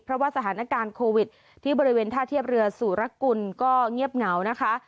เพราะว่าสถานการณ์โควิดที่บริเวณท่าเทียบเรือสุรกุลก็เงียบเหงานะคะ